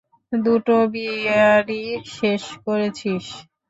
দুটো বিয়ারই শেষ করেছিস?